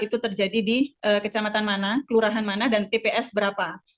itu terjadi di kecamatan mana kelurahan mana dan tps berapa